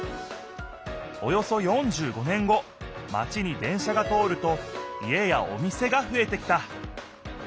およそ４５年後マチに電車が通ると家やお店がふえてきた。